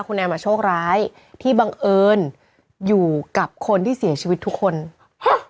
คุณแอมอ่ะโชคร้ายที่บังเอิญอยู่กับคนที่เสียชีวิตทุกคนฮะ